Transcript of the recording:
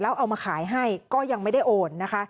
เอามาขายให้ก็ยังไม่ได้โอนนะคะ